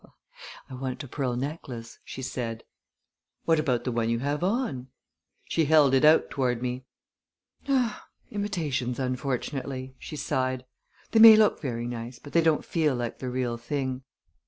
"I want a pearl necklace," she said. "What about the one you have on?" She held it out toward me. "Imitations, unfortunately," she sighed. "They may look very nice, but they don't feel like the real thing."